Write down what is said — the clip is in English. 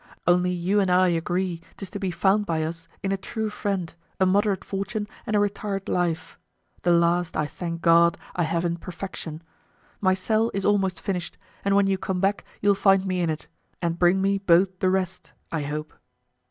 Only you and I agree 'tis to be found by us in a true friend, a moderate fortune, and a retired life; the last I thank God I have in perfection. My cell is almost finished, and when you come back you'll find me in it, and bring me both the rest I hope.